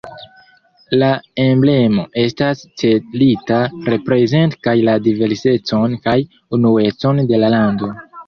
La emblemo estas celita reprezenti kaj la diversecon kaj unuecon de la lando.